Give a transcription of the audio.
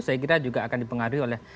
saya kira juga akan dipengaruhi oleh